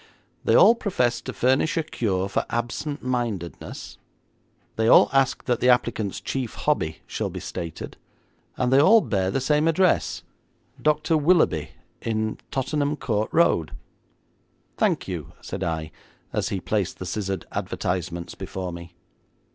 They all profess to furnish a cure for absent mindedness; they all ask that the applicant's chief hobby shall be stated, and they all bear the same address: Dr. Willoughby, in Tottenham Court Road.' 'Thank you,' said I, as he placed the scissored advertisements before me.